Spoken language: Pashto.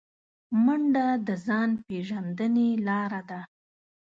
منډه د ځان پیژندنې لاره ده